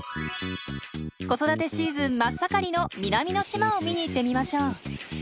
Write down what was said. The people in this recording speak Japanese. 子育てシーズン真っ盛りの南の島を見に行ってみましょう。